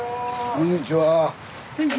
こんにちは。